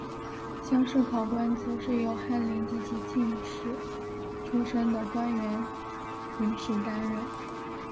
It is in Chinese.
乡试考官则是由翰林及进士出身的官员临时担任。